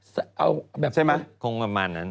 ใช่ไหมคงประมาณนั้น